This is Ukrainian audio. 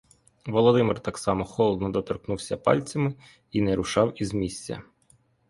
Володимир так само холодно доторкнувся пальцями й не рушав із місця.